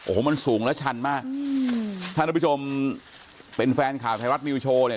โอ้โหมันสูงและชันมากอืมถ้าท่านผู้ชมเป็นแฟนข่าวไทยรัฐนิวโชว์เนี่ย